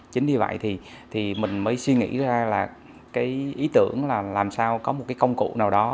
chính vì vậy thì mình mới suy nghĩ ra là cái ý tưởng là làm sao có một cái công cụ nào đó